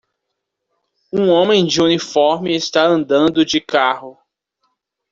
Um homem de uniforme está andando de carro.